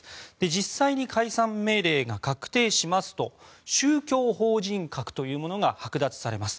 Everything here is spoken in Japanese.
実際に解散命令が確定しますと宗教法人格というものが剥奪されます。